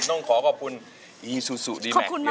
ต้องขอขอบคุณอีซูซูดีแมคเยอะเลย